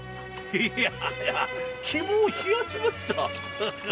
いやいや肝を冷やしました。